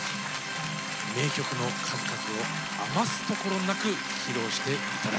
名曲の数々を余すところなく披露して頂きましょう。